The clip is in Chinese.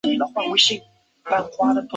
贞元十八年后垄之原。